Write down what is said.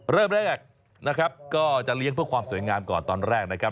เริ่มแรกนะครับก็จะเลี้ยงเพื่อความสวยงามก่อนตอนแรกนะครับ